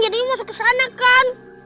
jadinya mau masuk ke sana kan